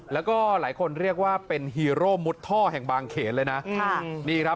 แล้วก็หลายคนเรียกว่าเป็นฮีโร่มุดท่อแห่งบางเขนเลยนะ